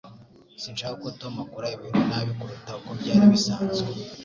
Sinshaka ko Tom akora ibintu nabi kuruta uko byari bisanzwe.